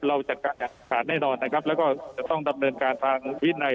เราจัดการอย่างขาดแน่นอนนะครับแล้วก็จะต้องดับเบิ้ลการฌาญวินไหน